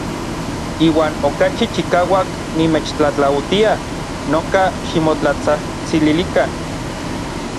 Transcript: Iuan okachi chikauak nimechtlatlautia noka ximotlatsajtsililikan.